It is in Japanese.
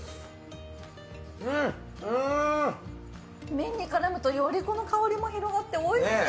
麺に絡むとより香りも広がっておいしい！